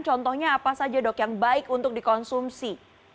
contohnya apa saja dok yang baik untuk dikonsumsi